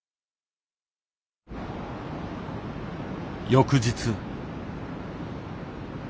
翌日。